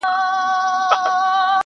چي په ټولو حیوانانو کي نادان وو!.